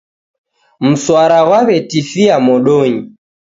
Mswara ghwaw'etifia modonyi